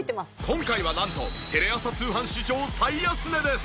今回はなんとテレ朝通販史上最安値です。